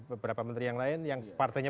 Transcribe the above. beberapa menteri yang lain yang partainya